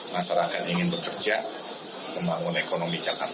masyarakat ingin bekerja membangun ekonomi jakarta